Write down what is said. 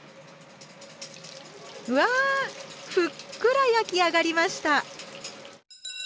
うわあふっくら焼き上がりました！